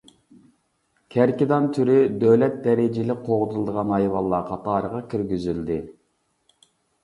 كەركىدان تۈرى دۆلەت دەرىجىلىك قوغدىلىدىغان ھايۋانلار قاتارىغا كىرگۈزۈلدى.